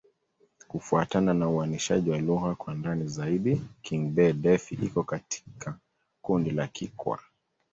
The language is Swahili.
Kufuatana na uainishaji wa lugha kwa ndani zaidi, Kigbe-Defi iko katika kundi la Kikwa.